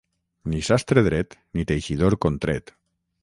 Ni sastre dret, ni teixidor contret.